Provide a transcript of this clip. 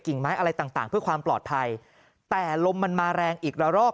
ไม้อะไรต่างต่างเพื่อความปลอดภัยแต่ลมมันมาแรงอีกละรอก